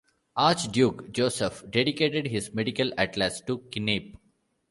Archduke Josef dedicated his medical atlas to Kneipp.